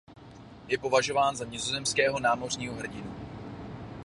Je považován za nizozemského námořního hrdinu.